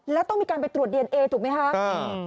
แล้วต้องมีการไปตรวจดีเอนเอถูกไหมคะ